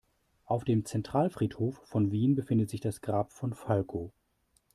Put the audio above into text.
Auf dem Zentralfriedhof von Wien befindet sich das Grab von Falco.